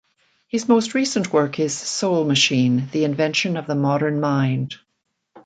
His most recent work is Soul Machine: The Invention of the Modern Mind.